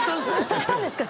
歌ったんですか？